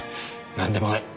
何でもない。